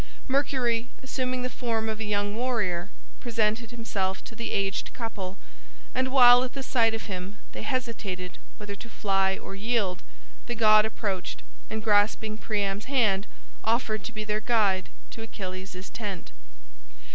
Mercury, assuming the form of a young warrior, presented himself to the aged couple, and while at the sight of him they hesitated whether to fly or yield, the god approached, and grasping Priam's hand offered to be their guide to Achilles' tent.